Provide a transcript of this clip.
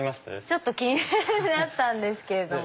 ちょっと気になったんですけど。